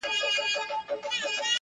یوه ورځ عطار د ښار د باندي تللی٫